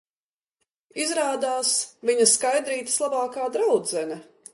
Izrādās, viņa Skaidrītes labākā draudzene...